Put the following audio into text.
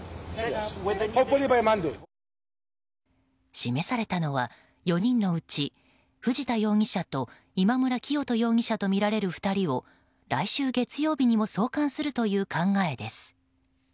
示されたのは４人のうち藤田容疑者と今村磨人容疑者とみられる２人を来週月曜日にも送還するという考えです。